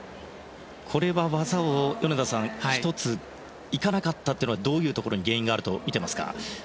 米田さん、技を１ついかなかったというのはどういうところに原因があるとみていますか？